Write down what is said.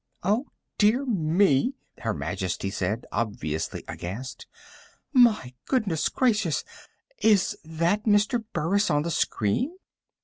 "Oh, dear me," Her Majesty said, obviously aghast. "My goodness gracious. Is that Mr. Burris on the screen?"